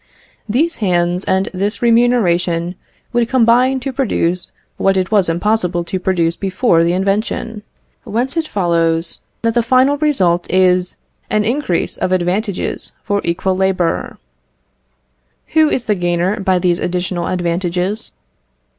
These hands and this remuneration would combine to produce what it was impossible to produce before the invention; whence it follows, that the final result is an increase of advantages for equal labour. Who is the gainer by these additional advantages?